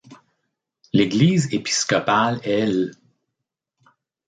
L'église épiscopale est l'.